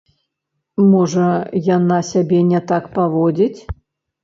Можа, яна сябе не так паводзіць?